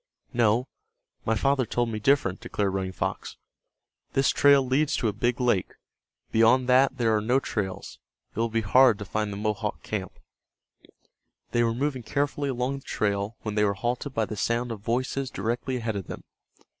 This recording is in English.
"No, my father told me different," declared Running Fox. "This trail leads to a big lake. Beyond that there are no trails. It will be hard to find the Mohawk camp." They were moving carefully along the trail when they were halted by the sound of voices directly ahead of them.